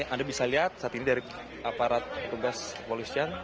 anda bisa lihat saat ini dari aparat tugas polisian